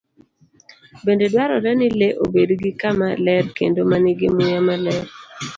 Bende dwarore ni le obed gi kama ler kendo ma nigi muya maler.